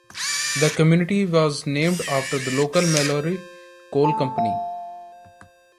The community was named after the local Mallory Coal Company.